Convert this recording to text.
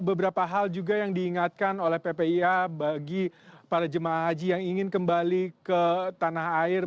beberapa hal juga yang diingatkan oleh ppia bagi para jemaah haji yang ingin kembali ke tanah air